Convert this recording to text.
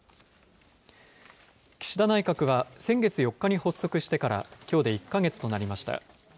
岸田内閣は先月４日に発足してから、きょうで１か月となりました。